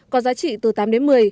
có giá trị từ tám đến một mươi